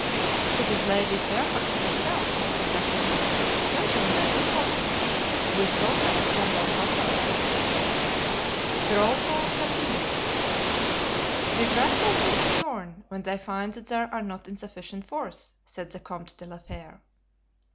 "It is Lady Fairfax herself," said D'Artagnan. "Don't you remember, Porthos, we saw her at General Cromwell's?" The roll call continued. "These rascals will adjourn when they find that they are not in sufficient force," said the Comte de la Fere.